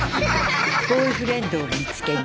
ボーイフレンドを見つけに。